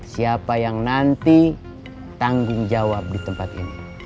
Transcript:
siapa yang nanti tanggung jawab di tempat ini